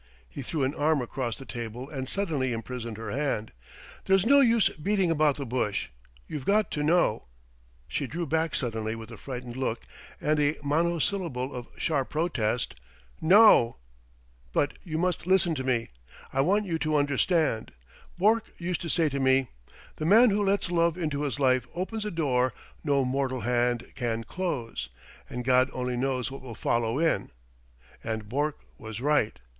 He threw an arm across the table and suddenly imprisoned her hand. "There's no use beating about the bush. You've got to know " She drew back suddenly with a frightened look and a monosyllable of sharp protest: "No!" "But you must listen to me. I want you to understand.... Bourke used to say to me: 'The man who lets love into his life opens a door no mortal hand can close and God only knows what will follow in!' And Bourke was right....